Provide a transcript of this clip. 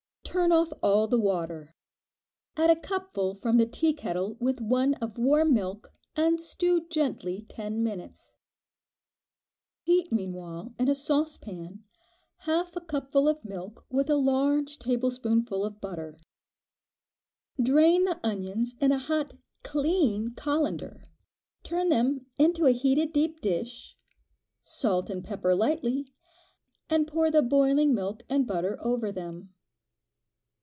Turn off all the water; add a cupful from the tea kettle with one of warm milk and stew gently ten minutes. Heat, meanwhile, in a saucepan, half a cupful of milk with a large tablespoonful of butter. Drain the onions in a hot clean colander, turn them into a heated deep dish, salt and pepper lightly, and pour the boiling milk and butter over them.